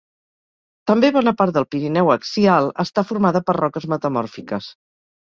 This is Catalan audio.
També bona part del Pirineu axial està formada per roques metamòrfiques.